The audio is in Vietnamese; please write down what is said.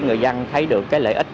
để người dân thấy được lợi ích